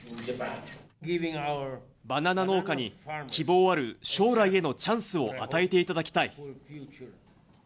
バナナ農家に希望ある将来へのチャンスを与えていただきたい。